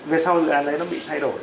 về sau dự án đấy nó bị thay đổi